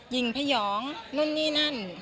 ยิงพยองนู่นนี่นั่น